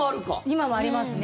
今もありますね。